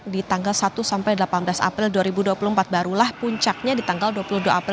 di tanggal satu sampai delapan belas april dua ribu dua puluh empat barulah puncaknya di tanggal dua puluh dua april